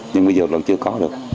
nhưng bây giờ là chưa có được